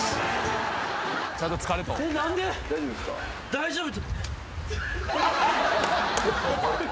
大丈夫。